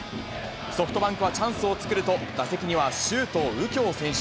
ソフトバンクはチャンスを作ると、打席には周東佑京選手。